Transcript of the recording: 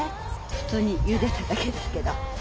普通にゆでただけですけど。